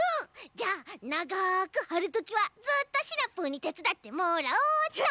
じゃあながくはるときはずっとシナプーにてつだってもらおっと！